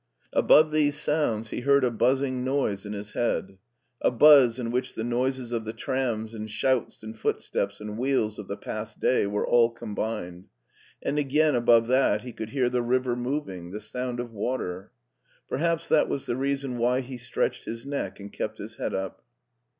Above these sounds he heard a buzzing noise in his head, a buzz in which the noises of the trams and shouts and footsteps and wheels of the past day were all combined, and again above that he could hear the river moving — the sound of water. Perhaps that was the reason why he stretched his neck and kept his head up.